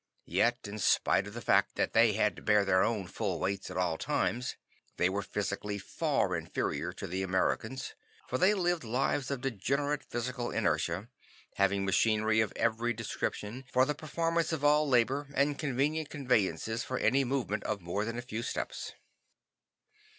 Yet in spite of the fact that they had to bear their own full weights at all times, they were physically far inferior to the Americans, for they lived lives of degenerative physical inertia, having machinery of every description for the performance of all labor, and convenient conveyances for any movement of more than a few steps.